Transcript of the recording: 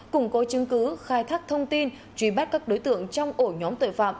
củng cố chứng cứ khai thác thông tin truy bắt các đối tượng trong ổ nhóm tội phạm